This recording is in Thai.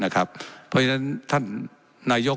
และยังเป็นประธานกรรมการอีก